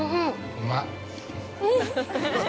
◆うまい。